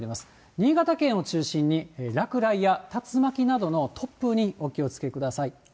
新潟県を中心に落雷や竜巻などの突風にお気をつけください。